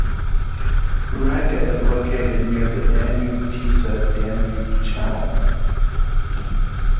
Rumenka is located near the Danube-Tisa-Danube channel.